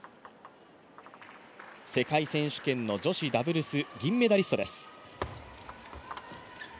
世界選手権の女子ダブルス銀メダリストです。